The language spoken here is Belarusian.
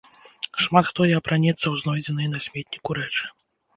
Шмат хто і апранаецца ў знойдзеныя на сметніку рэчы.